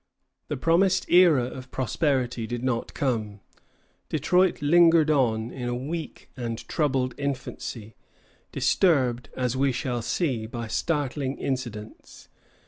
The promised era of prosperity did not come. Detroit lingered on in a weak and troubled infancy, disturbed, as we shall see, by startling incidents.